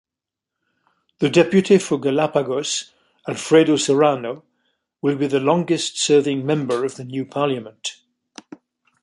The deputy for Galápagos, Alfredo Serrano, will be the longest-serving member of the new parliament.